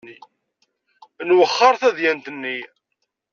Nwexxer tadyant-nni.